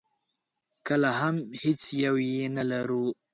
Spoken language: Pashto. کله هم هېڅ یو یې نه ولرو.